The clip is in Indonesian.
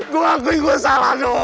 gue anggap gue salah dok